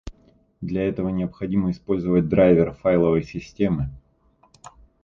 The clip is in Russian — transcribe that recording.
Для этого необходимо использовать драйвер файловой системы